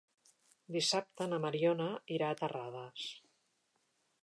Dissabte na Mariona irà a Terrades.